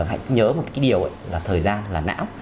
hãy nhớ một cái điều là thời gian là não